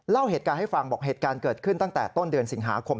เล่าเหตุการณ์ให้ฟังบอกเหตุการณ์เกิดขึ้นตั้งแต่ต้นเดือนสิงหาคม